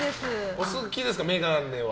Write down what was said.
お好きですか、眼鏡は。